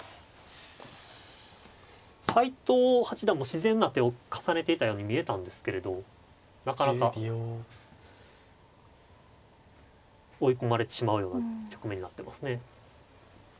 斎藤八段も自然な手を重ねていたように見えたんですけれどなかなか追い込まれてしまうような局面になってますね。